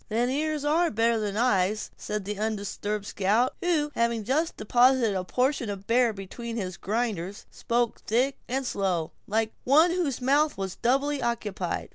"Then ears are better than eyes," said the undisturbed scout, who, having just deposited a portion of a bear between his grinders, spoke thick and slow, like one whose mouth was doubly occupied.